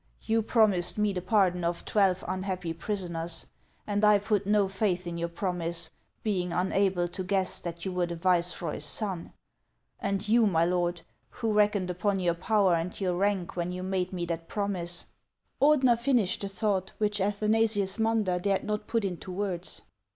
You promised me the pardon of twelve unhappy prisoners, and I put no faith in your promise, being unable to guess that you were the viceroy's son ; and you, my lord, who reckoned upon your power and your rank when you made me that promise —" Ordener finished the thought which Athauasius Munder dared not put into words.